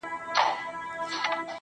اوس لا د گرانښت څو ټكي پـاتــه دي.